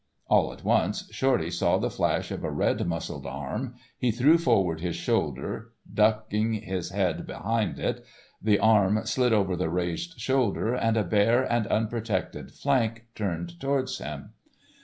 All at once Shorty saw the flash of a red muscled arm, he threw forward his shoulder ducking his head behind it, the arm slid over the raised shoulder and a bare and unprotected flank turned towards him.